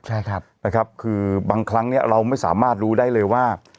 ใช่ครับนะครับคือบางครั้งเนี่ยเราไม่สามารถรู้ได้เลยว่า